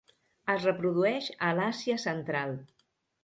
Es reprodueix a l'Àsia central.